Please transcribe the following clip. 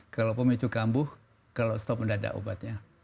kalau pemicu kambuh kalau stop mendadak obatnya